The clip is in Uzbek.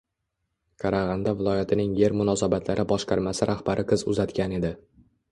Qarag’anda viloyatining Yer munosabatlari boshqarmasi rahbari qiz uzatgan edi